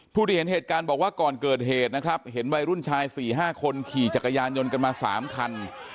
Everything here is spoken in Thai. ผู้ที่เห็นเหตุการณ์บอกว่าก่อนเกิดเหตุนะครับเห็นวัยรุ่นชาย๔๕คนขี่จักรยานยนต์กันมา๓คัน